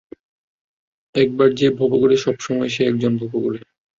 একবার যে ভবঘুরে, সবসময় একজন ভবঘুরে।